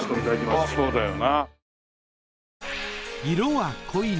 まあそうだよな。